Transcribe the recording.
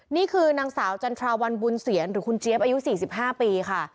นี่คือนางสาวจันทราวันบุญเสียรหรือคุณเจี๊ยบอายุ๔๕ปีค่ะ